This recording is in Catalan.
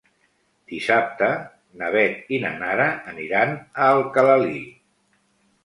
Dissabte na Beth i na Nara aniran a Alcalalí.